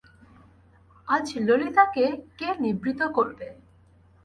আজ ললিতাকে কে নিবৃত্ত করবে?